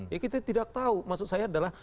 ya kita tidak tahu maksud saya adalah